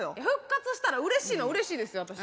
復活したらうれしいのはうれしいですよ